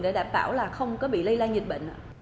để đảm bảo là không có bị lây lan dịch bệnh